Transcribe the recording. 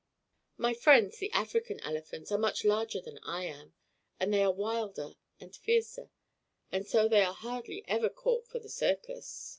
"My friends, the African elephants, are much larger than I am, and they are wilder and fiercer, and so they are hardly every caught for the circus."